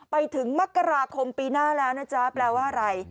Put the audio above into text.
ไปถึงมกราคมปีหน้าแล้วนะจ๊ะแปลว่าอะไร